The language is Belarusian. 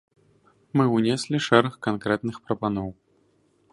Мы ўнеслі шэраг канкрэтных прапаноў.